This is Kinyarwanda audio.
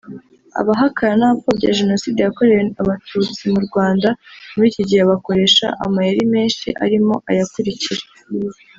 Abahakana n’abapfobya Jenoside yakorewe Abatutsi mu Rwanda muri iki gihe bakoresha amayeri menshi arimo aya akurikira